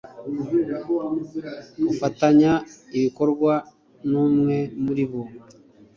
ufatanya ibikorwa n umwe muri bo